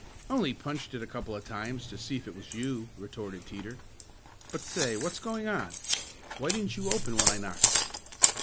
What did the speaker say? "Only punched it a couple of times to see if it was you," retorted Teeter. "But say, what's going on? Why didn't you open when I knocked?"